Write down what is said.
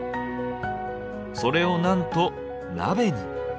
それをなんと鍋に！